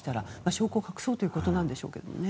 証拠を隠そうということなんでしょうけどね。